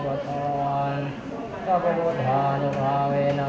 ทุติยังปิตพุทธธาเป็นที่พึ่ง